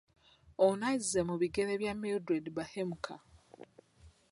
Ono azze mu bigere bya Mildred Bahemuka.